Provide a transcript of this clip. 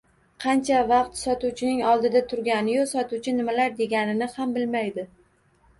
Qancha vaqt sotuvchining oldida turgani-yu, sotuvchi nimalar deganini ham bilmaydi